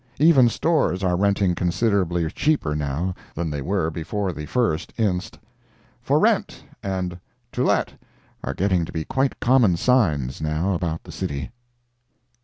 Even stores are renting considerably cheaper now than they were before the 1st inst. "For rent," and "To let," are getting to be quite common signs, now, about the city.